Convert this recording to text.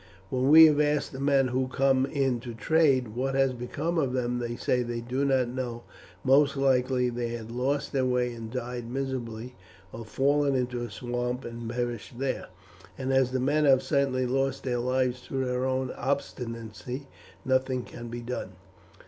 When we have asked the men who come in to trade what has become of them they say 'they do not know, most likely they had lost their way and died miserably, or fallen into a swamp and perished there;' and as the men have certainly lost their lives through their own obstinacy nothing can be done."